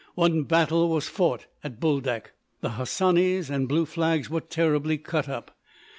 One battle was fought at Buldak. The Hassanis and Blue Flags were terribly cut up.